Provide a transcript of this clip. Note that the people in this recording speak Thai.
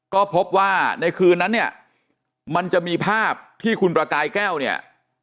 ก็พบว่าในคืนนั้นเนี่ยมันจะมีภาพที่คุณประกายแก้วเนี่ย